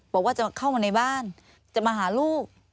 บอกว่าจะเข้ามาในบ้านจะมาหาลูก